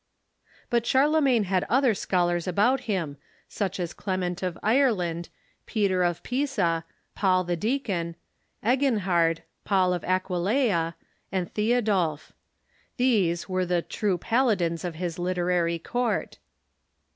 But Charlemagne had other scholars about hira, such as Clement of Ireland, Peter of Pisa, Paul the Deacon, Eginhard, 120 THE MEDIJEVAL CHURCH Paul of Aquileia, and Theodulph. These were the " true pal adins of his literary court."